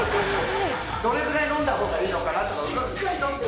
どれぐらい飲んだほうがいいのかなって。